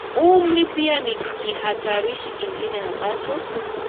umri pia ni kihatarishi kingine ambacho